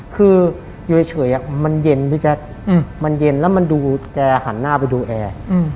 คืออยู่เฉยมันเย็นพี่แจ๊คมันเย็นแล้วมันดูแกหันหน้าไปดูแอร์